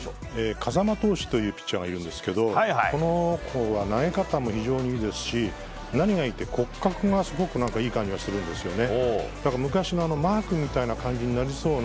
風間投手というピッチャーがいるんですけどこの子は投げ方も非常にいいですし何がいいって、骨格がすごくいい感じがするんですよね。